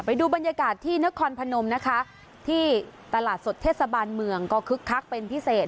ไปดูบรรยากาศที่นครพนมนะคะที่ตลาดสดเทศบาลเมืองก็คึกคักเป็นพิเศษ